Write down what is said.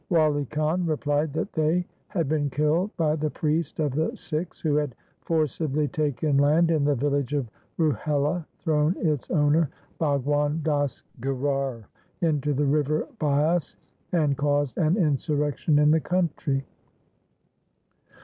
Wali Khan replied that they had been killed by the priest of the Sikhs who had forcibly taken land in the village of Ruhela, thrown its owner Bhagwan Das Gherar into the river Bias, and caused an in surrection in the country.